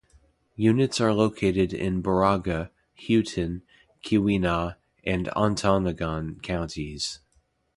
Units are located in Baraga, Houghton, Keweenaw, and Ontonagon counties.